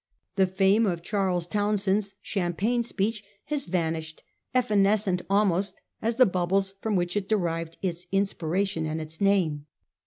The fame of Charles Townshend's 'champagne speech' has vanished, evanescent almost as the bubbles from which it derived its inspiration and its name.